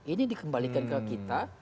ini dikembalikan ke kita